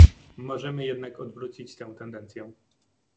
Możemy jednak odwrócić tę tendencję